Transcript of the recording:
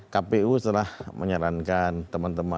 kpu telah menyarankan teman teman